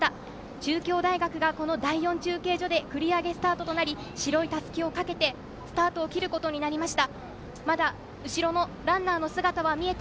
中京大学が第４中継所で繰り上げスタートとなり、白い襷をかけてスタートを切ることになりました。